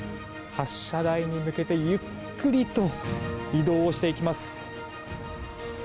発射台に向けてゆっくりと移動しています。